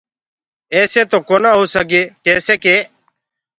ايسي تو ڪونآ هوسگي ڪيسي ڪي